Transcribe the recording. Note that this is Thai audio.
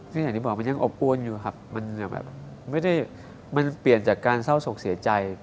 อย่างที่บอกมันยังอบอวนอยู่ครับมันเปลี่ยนจากการเศร้าสกเสียใจ